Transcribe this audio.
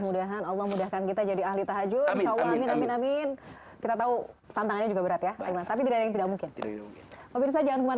masya allah mudah mudahan allah mudahkan kita jadi ahli tahajud